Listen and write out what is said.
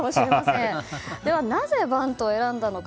なぜバントを選んだのか